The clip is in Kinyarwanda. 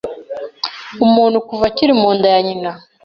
umuntu kuva akiri mu nda ya nyina